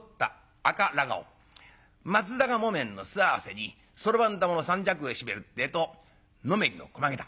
松阪木綿の素袷にそろばん玉の三尺帯締めるってえとのめりの駒げた。